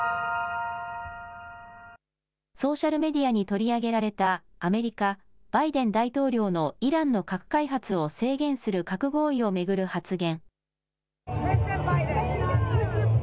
ソーシャルメディアに取り上げられたアメリカバイデン大統領のイランの核開発を制限する核合意を巡る発言。